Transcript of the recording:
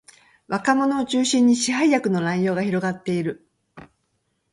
若者を中心に市販薬の乱用が広がっている